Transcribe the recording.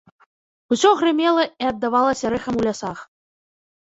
Усё грымела і аддавалася рэхам у лясах.